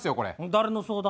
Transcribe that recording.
誰の相談？